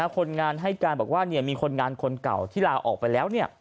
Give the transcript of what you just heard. คนงานให้การบอกว่ามีคนงานคนเก่าที่ลาออกไปแล้ว